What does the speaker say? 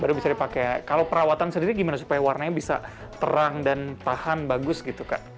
baru bisa dipakai kalau perawatan sendiri gimana supaya warnanya bisa terang dan tahan bagus gitu kak